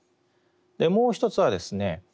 もう一つはですね